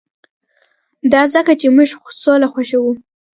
دا ځکه چې موږ سوله خوښوو